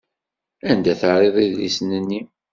Anda terriḍ idlisen-nni?